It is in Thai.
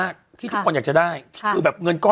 คือ